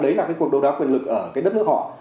đấy là cuộc đấu đá quyền lực ở đất nước họ